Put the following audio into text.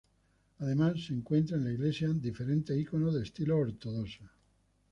Además se encuentran en la iglesia diferentes iconos de estilo ortodoxo.